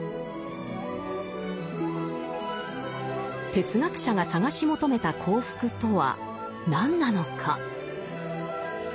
哲学者が探し求めた幸福とは何なのか。